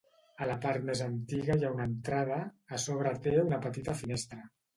A la part més antiga hi ha una entrada, a sobre té una petita finestra.